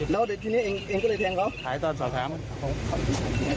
นึงไปแทงเขาทำไม